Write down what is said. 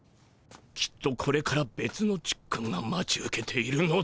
きっとこれからべつのちっくんが待ち受けているのだ。